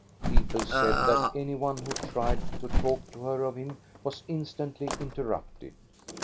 People said that any one who tried to talk to her of him was instantly interrupted.